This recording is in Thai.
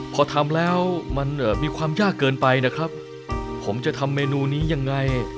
พอทำแล้วมันมีความยากเกินไปนะครับผมจะทำเมนูนี้ยังไง